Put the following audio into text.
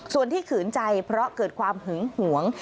ส่วนที่ขืนใจเพราะเกิดความหึงหวง